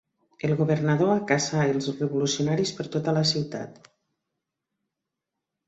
El governador acaçà els revolucionaris per tota la ciutat.